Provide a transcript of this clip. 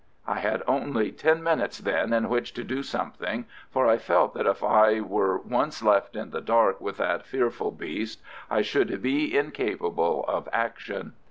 I had only ten minutes then in which to do something, for I felt that if I were once left in the dark with that fearful beast I should be incapable of action.